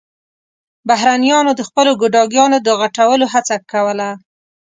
بهرنيانو د خپلو ګوډاګيانو د غټولو هڅه کوله.